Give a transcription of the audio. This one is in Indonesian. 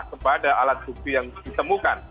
kepada alat bukti yang ditemukan